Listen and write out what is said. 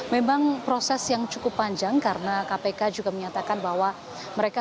memang proses yang cukup panjang karena kpk juga menyatakan bahwa mereka